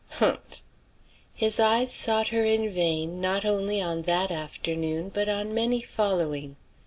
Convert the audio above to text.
Humph! His eyes sought her in vain not only on that afternoon, but on many following.